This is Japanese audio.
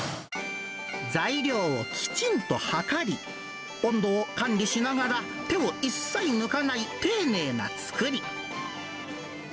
材料をきちんと量り、温度を管理しながら手を一切抜かない丁寧なつくり。